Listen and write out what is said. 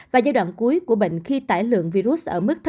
và giai đoạn cuối của bệnh khi tải lượng virus